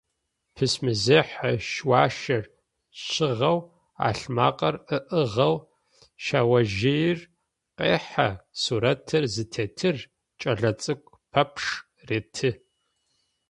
Письмэзехьэ шъуашэр щыгъэу, ӏалъмэкъыр ыӏыгъэу шъэожъыер къехьэ, сурэтыр зытетыр кӏэлэцӏыкӏу пэпчъ реты.